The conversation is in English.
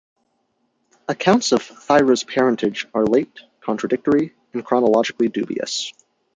Accounts of Thyra's parentage are late, contradictory and chronologically dubious.